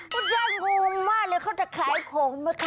พวกเจ้างงมากแล้วเค้าจะขายโข่มูะค้ะ